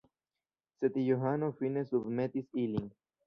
Sed Johano fine submetis ilin.